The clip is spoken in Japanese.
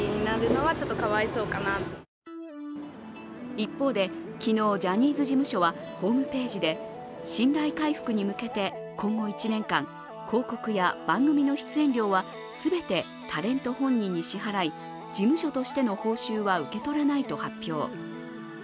一方で、昨日、ジャニーズ事務所はホームページで信頼回復に向けて今後１年間、広告や番組の出演料は全てタレント本人に支払い事務所としての報酬は受け取らないと発表。